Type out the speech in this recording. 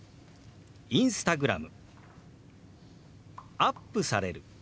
「アップされる」。